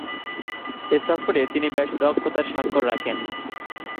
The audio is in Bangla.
এ সফরে তিনি বেশ দক্ষতার স্বাক্ষর রাখেন।